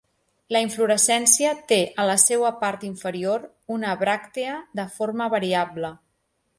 La inflorescència té a la seua part inferior una bràctea de forma variable.